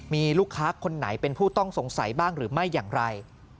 มีลูกค้าคนไหนเป็นผู้ต้องสงสัยบ้างหรือไม่อย่างไร